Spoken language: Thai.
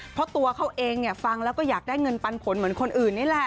เพราะตัวเขาเองฟังแล้วก็อยากได้เงินปันผลเหมือนคนอื่นนี่แหละ